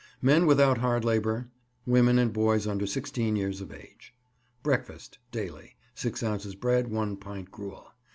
MEN WITHOUT HARD LABOUR, WOMEN, AND BOYS UNDER SIXTEEN YEARS OF AGE. Breakfast Daily 6 ounces bread, 1 pint gruel.